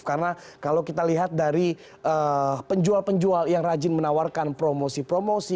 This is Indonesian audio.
karena kalau kita lihat dari penjual penjual yang rajin menawarkan promosi promosi